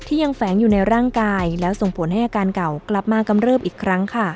ยังแฝงอยู่ในร่างกายแล้วส่งผลให้อาการเก่ากลับมากำเริบอีกครั้งค่ะ